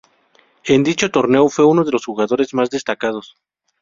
En dicho torneo fue uno de los jugadores más destacados.